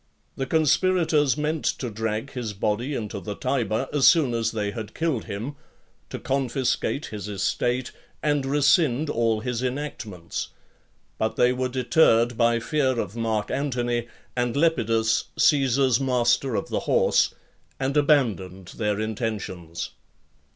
The conspirators meant to drag his body into the Tiber as soon as they had killed him; to confiscate his estate, and rescind all his enactments; but they were deterred by fear of Mark Antony, and Lepidus, Caesar's master of the horse, and abandoned their intentions.